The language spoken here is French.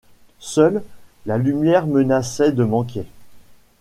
Seule, la lumière menaçait de manquer.